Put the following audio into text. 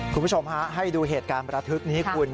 คุณผู้ชมฮะให้ดูเหตุการณ์ประทึกนี้คุณ